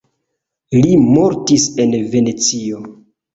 Li mortis en Venecio.